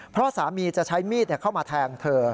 เพราะสามีจะใช้มีดเข้ามาแทงเธอ